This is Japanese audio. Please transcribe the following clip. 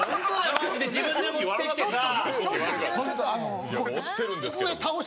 マジで自分で持ってきてさぁ。